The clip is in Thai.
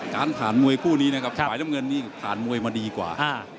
การผ่านมวยคู่นี้นะครับฝ่ายน้ำเงินนี่ผ่านมวยมาดีกว่า